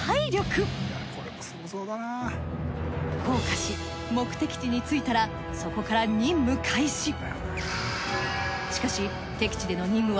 降下し目的地に着いたらそこから任務開始。